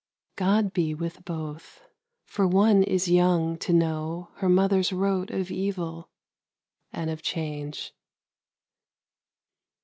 God be with both! for one is young to know Her mother's rote of evil and of change.